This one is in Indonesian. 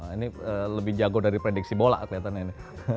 ini lebih jago dari prediksi bola kelihatannya ini